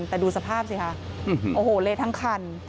แต่ดูสภาพสิค่ะโอ้โหเละทั้งคัน